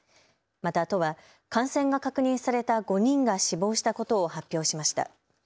また都は感染が確認された５人が死亡したことを発表しました。